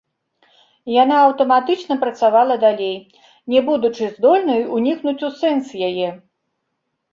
Яна аўтаматычна працавала далей, не будучы здольнай унікнуць у сэнс яе.